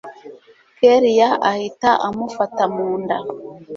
kellia ahita amufata munda